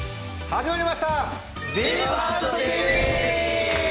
始まりました！